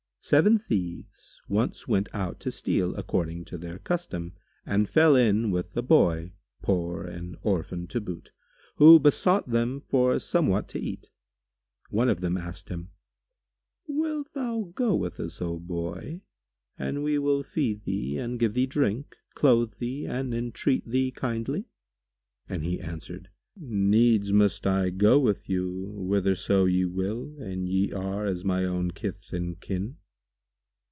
Seven Thieves once went out to steal, according to their custom, and fell in with a Boy, poor and orphaned to boot, who besought them for somewhat to eat. One of them asked him, "Wilt go with us, O Boy, and we will feed thee and give thee drink, clothe thee and entreat thee kindly?" And he answered, "Needs must I go with you whitherso ye will and ye are as my own kith and kin."